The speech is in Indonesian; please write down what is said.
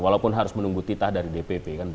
walaupun harus menunggu titah dari dpp kan